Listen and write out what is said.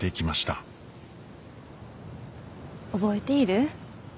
覚えている？